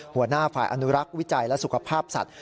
หัวหน้าฝ่ายอนุรักษ์วิจัยและสุขภาพสัตว